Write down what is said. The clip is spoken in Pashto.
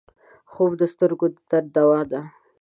خوب د سترګو د درد دوا ده